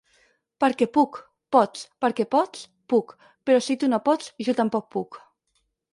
Perquè puc, pots; perquè pots, puc; però si tu no pots, jo tampoc puc.